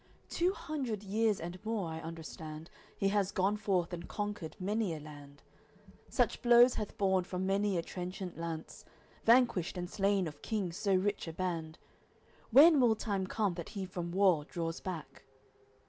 Two hundred years and more, I understand, He has gone forth and conquered many a land, Such blows hath borne from many a trenchant lance, Vanquished and slain of kings so rich a band, When will time come that he from war draws back?"